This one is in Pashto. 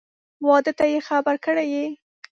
واده ته یې خبر کړی یې؟